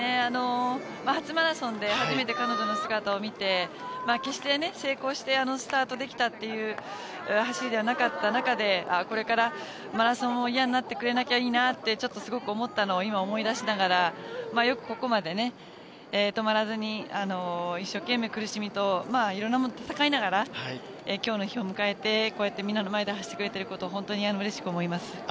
初マラソンで初めて彼女の姿を見て決して成功してスタートできたという走りではなかった中で、これからマラソンを嫌になってくれなきゃいいなってちょっとすごく思ったのを今、思い出しながらよくここまで止まらずに一生懸命苦しみといろんなものと闘いながらきょうの日を迎えてこうやってみんなの前で走ってくれることをうれしく思います。